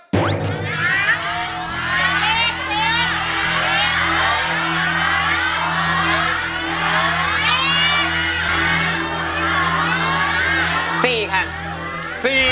๔ค่ะ